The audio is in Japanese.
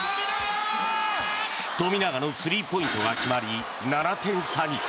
富永のスリーポイントが決まり７点差に。